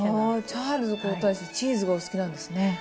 チャールズ皇太子チーズがお好きなんですね。